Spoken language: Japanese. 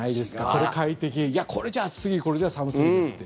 これ、快適、これじゃ暑すぎこれじゃ寒すぎるって。